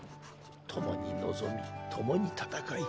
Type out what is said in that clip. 共に臨み共に戦い